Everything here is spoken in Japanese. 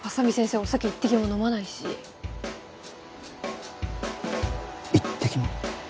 お酒一滴も飲まないし一滴も？